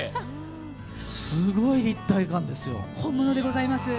すごい立体感ですよ。